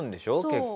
結構。